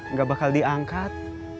nggak bakal diangkat